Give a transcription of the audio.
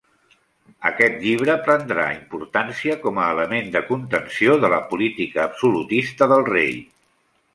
Aquest llibre prendrà importància com a element de contenció de la política absolutista del rei.